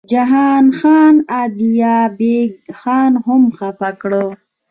جهان خان ادینه بېګ خان هم خپه کړ.